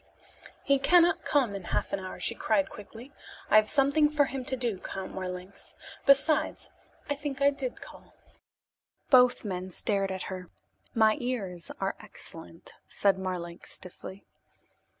"He cannot come in half an hour," she cried quickly. "I have something for him to do, Count Marlanx. Besides, I think I did call." Both men stared at her. "My ears are excellent," said Marlanx stiffly.